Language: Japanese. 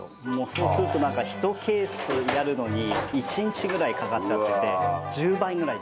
そうすると１ケースやるのに１日ぐらいかかっちゃってて１０倍ぐらい時間かかって。